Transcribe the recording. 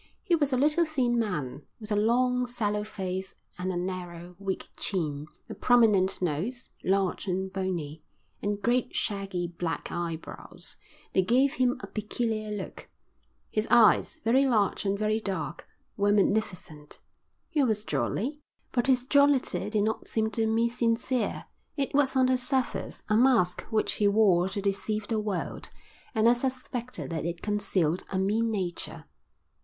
He was a little thin man, with a long, sallow face and a narrow, weak chin, a prominent nose, large and bony, and great shaggy black eyebrows. They gave him a peculiar look. His eyes, very large and very dark, were magnificent. He was jolly, but his jollity did not seem to me sincere; it was on the surface, a mask which he wore to deceive the world, and I suspected that it concealed a mean nature.